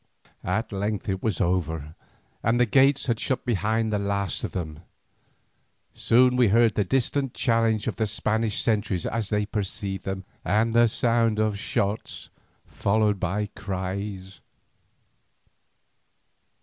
At length it was over and the gates had shut behind the last of them. Soon we heard the distant challenge of the Spanish sentries as they perceived them, and the sounds of some shots followed by cries.